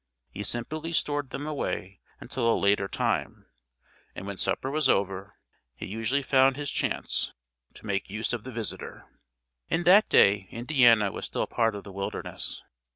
He simply stored them away until a later time, and when supper was over he usually found his chance to make use of the visitor. In that day Indiana was still part of the wilderness.